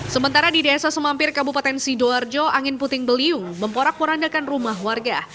sementara di desa semampir kabupaten sidoarjo angin puting beliung memporak porandakan rumah warga